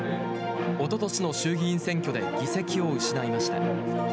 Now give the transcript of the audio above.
おととしの衆議院選挙で議席を失いました。